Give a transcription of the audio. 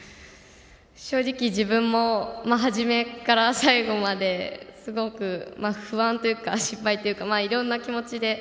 正直自分も初めから最後まですごく不安というか心配というか、いろんな気持ちで。